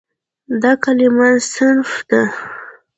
دا کلمه "صنف" ده.